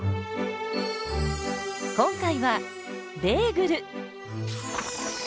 今回はベーグル！